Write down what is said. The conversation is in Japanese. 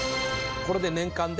これで年間で。